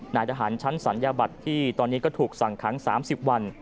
นายทหารชั้นศัลยบัตรที่ตอนนี้ก็ถูกสั่งขัง๓๐วัน